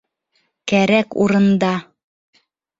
Кәрәк урында!